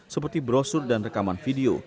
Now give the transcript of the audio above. seperti brosur dan rekaman video